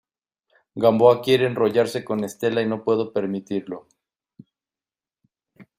Gamboa quiere enrollarse con Estela y no puedo permitirlo.